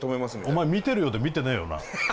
お前見てるようで見てねえよな。